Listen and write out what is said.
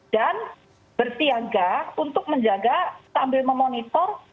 dan bersiaga untuk menjaga sambil memonitor